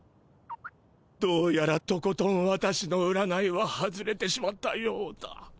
どうやらとことん私の占いは外れてしまったようだ。